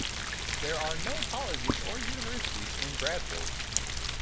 There are no colleges or universities in Bradford.